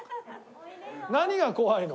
何が怖いの？